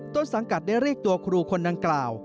ต้นสังกัดได้เรียกตัวครูคนดังกล่าว